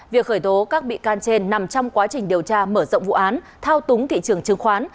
việc khởi tố các bị can trên nằm trong quá trình điều tra mở rộng vụ án thao túng thị trường chứng khoán